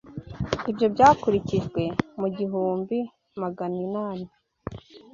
Ibyo byakurikijwe, mu igihumbi maganinani